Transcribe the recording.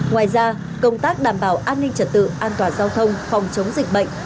ngoài ra công tác đảm bảo an ninh trật tự an toàn giao thông phòng chống dịch bệnh